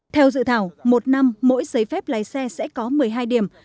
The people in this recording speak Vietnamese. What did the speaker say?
theo dự thảo một năm mỗi giấy phép lái xe sẽ có một mươi hai điểm